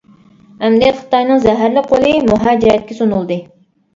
ئەمدى خىتاينىڭ زەھەرلىك قولى مۇھاجىرەتكە سۇنۇلدى.